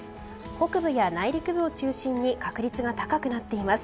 北部や内陸部を中心に確率が高くなっています。